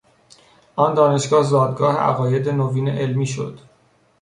آن دانشگاه زادگاه عقاید نوین علمی شد.